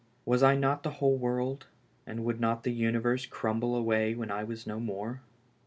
Was I not the whole world, and would not the universe crumble away when I w^as no more